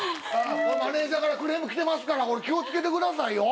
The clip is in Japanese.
マネジャーからクレームきてますから気を付けてくださいよ。